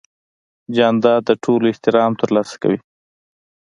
جانداد د ټولو احترام ترلاسه کوي.